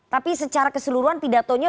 tapi secara keseluruhan pidatonya